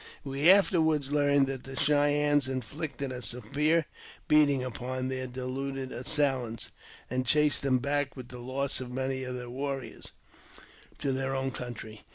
We afterward learned that the Cheyennes inflicted a severe beating upon their deluded assail ts, and chased them back, with the loss of many of their Varriors, to their own country.